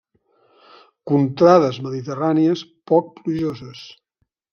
Contrades mediterrànies poc plujoses.